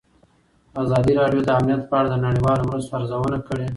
ازادي راډیو د امنیت په اړه د نړیوالو مرستو ارزونه کړې.